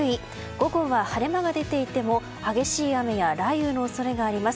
午後は晴れ間が出ていても激しい雨や雷雨の恐れがあります。